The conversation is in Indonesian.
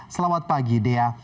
selamat pagi dea